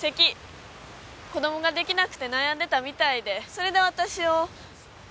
子供が出来なくて悩んでたみたいでそれで私を。